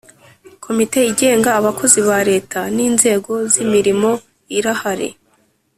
komite igenga abakozi ba Leta n inzego z imirimo irahari